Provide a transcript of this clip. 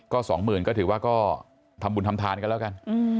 สองหมื่นก็ถือว่าก็ทำบุญทำทานกันแล้วกัน